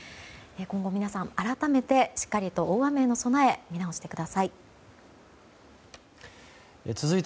今後、皆さん改めてしっかり大雨への備え見直してください。